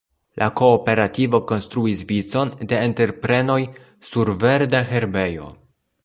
La kooperativo konstruis vicon de entreprenoj "sur verda herbejo".